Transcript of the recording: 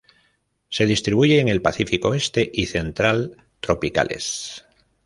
Se distribuye en el Pacífico oeste y central tropicales.